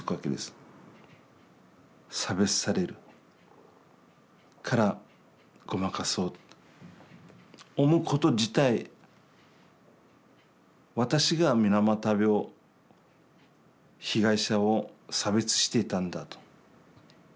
差別されるからごまかそうって思うこと自体私が水俣病被害者を差別していたんだと。